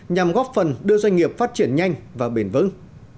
nhằm góp phần đưa doanh nghiệp phát triển nhanh và bền vững